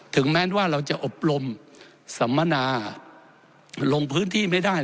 แม้ว่าเราจะอบรมสัมมนาลงพื้นที่ไม่ได้